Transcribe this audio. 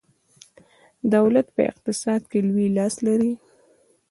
دولت په اقتصاد کې لوی لاس لري.